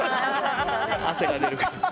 汗が出るから。